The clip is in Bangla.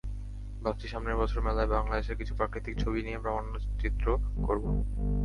ভাবছি, সামনের বছর মেলায় বাংলাদেশের কিছু প্রাকৃতিক ছবি নিয়ে প্রামাণ্য চিত্র করব।